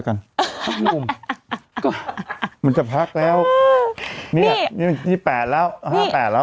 ก็มันจะพักแล้วนี่เดี๋ยว๒๘แล้ว๕๘แล้ว